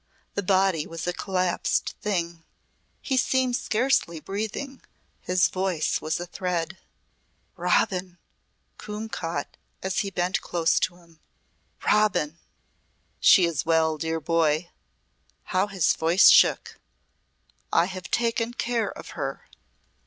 The body was a collapsed thing. He seemed scarcely breathing, his voice was a thread. "Robin!" Coombe caught as he bent close to him. "Robin!" "She is well, dear boy!" How his voice shook! "I have taken care of her."